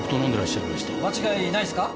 間違いないすか！？